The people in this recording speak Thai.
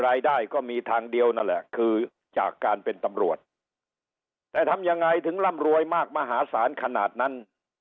รายได้ก็มีทางเดียวนั่นแหละคือจากการเป็นตำรวจแต่ทำยังไงถึงร่ำรวยมากมหาศาลขนาดนั้น